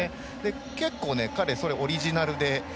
結構、彼はオリジナルで。